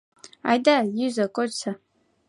Айда, йӱза-кочса